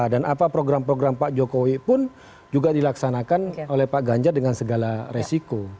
dan apa program program pak jokowi pun juga dilaksanakan oleh pak ganjar dengan segala resiko